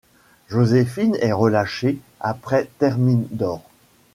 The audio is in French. Joséphine est relâchée après Thermidor.